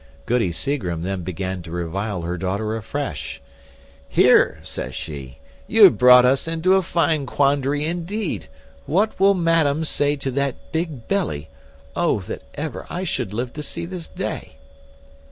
Goody Seagrim then began to revile her daughter afresh. "Here," says she, "you have brought us into a fine quandary indeed. What will madam say to that big belly? Oh that ever I should live to see this day!"